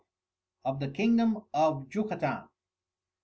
_ _Of the Kingdom of _JUCATAN.